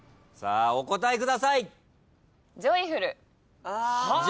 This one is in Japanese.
さあお答えください。